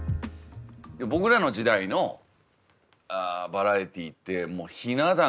僕らの時代のバラエティーってもうひな壇がブワッあって。